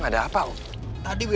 gue juga punya cewek